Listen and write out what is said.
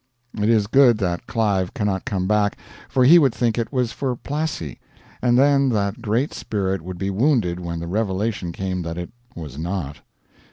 It is good that Clive cannot come back, for he would think it was for Plassey; and then that great spirit would be wounded when the revelation came that it was not.